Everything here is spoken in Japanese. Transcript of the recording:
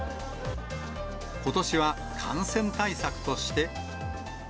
ことしは感染対策として。